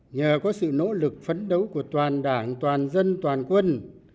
nhờ có sự nỗ lực phấn đấu của toàn đảng toàn dân toàn quân